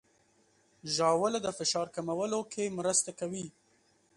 ژاوله د فشار کمولو کې مرسته کوي.